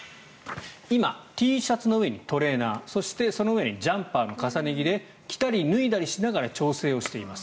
今、Ｔシャツの上にトレーナーそしてその上にジャンパーの重ね着で着たり脱いだりしながら調整しています。